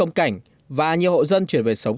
đã diễn công cảnh và nhiều hộ dân chuyển về sống